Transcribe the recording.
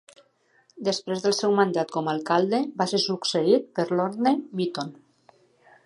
Després del seu mandat com alcalde, va ser succeït per Lorne Mitton.